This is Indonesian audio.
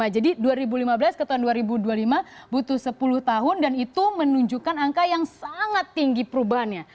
jadi dua ribu lima belas ke tahun dua ribu dua puluh lima butuh sepuluh tahun dan itu menunjukkan angka yang sangat tinggi perubahannya